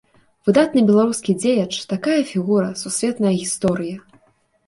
Выдатны беларускі дзеяч, такая фігура, сусветная гісторыя!